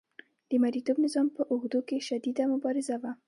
د مرئیتوب نظام په اوږدو کې شدیده مبارزه وه.